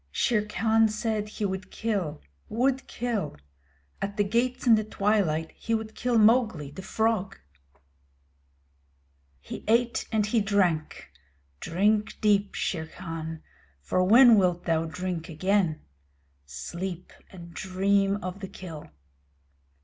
Shere Khan said he would kill would kill! At the gates in the twilight he would kill Mowgli, the Frog! He ate and he drank. Drink deep, Shere Khan, for when wilt thou drink again? Sleep and dream of the kill.